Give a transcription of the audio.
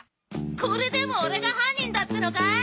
これでもオレが犯人だってのか？